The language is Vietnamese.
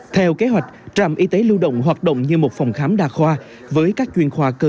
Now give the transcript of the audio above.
theo kế hoạch trạm y tế lưu động hoạt động như một phòng khám đa khoa với các chuyên khoa cơ sở